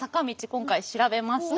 今回調べました。